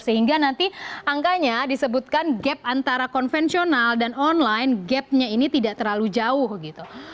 sehingga nanti angkanya disebutkan gap antara konvensional dan online gapnya ini tidak terlalu jauh gitu